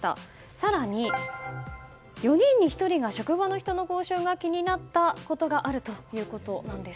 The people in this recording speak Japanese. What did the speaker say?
更に、４人に１人が職場の人の口臭が気になったことがあるということなんです。